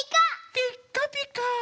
ピッカピカ。